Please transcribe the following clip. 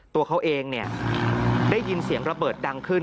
ตัวเขาเองได้ยินเสียงระเบิดดังขึ้น